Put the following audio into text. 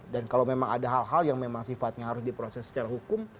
dan kalau memang ada hal hal yang memang sifatnya harus diproses secara hukum